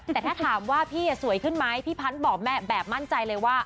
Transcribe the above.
แต่ถ้าถามว่าพี่สวยขึ้นไหมพี่พันธุ์บอกแม่แบบมั่นใจเลยว่า